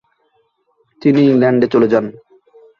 তিনি ইংল্যান্ডে চলে যান।